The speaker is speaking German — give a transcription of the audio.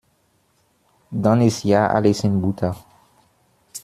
Dann ist ja alles in Butter.